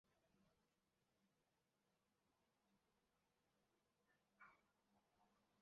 珀金斯维尔是位于美国亚利桑那州亚瓦派县的一个非建制地区。